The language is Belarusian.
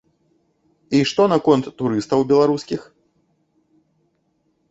І што наконт турыстаў беларускіх?